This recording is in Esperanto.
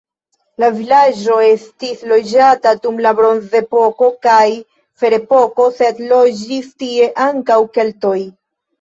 La vilaĝo estis loĝata dum la bronzepoko kaj ferepoko, sed loĝis tie ankaŭ keltoj.